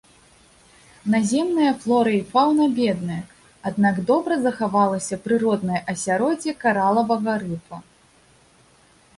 Наземная флора і фаўна бедныя, аднак добра захавалася прыроднае асяроддзе каралавага рыфа.